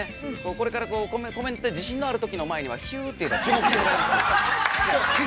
これからコメント自信のあるときの前にはヒュっていえば、注目してもらえると。